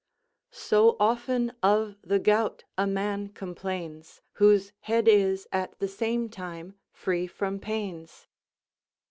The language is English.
"So, often of the gout a man complains, Whose head is, at the same time, free from pains."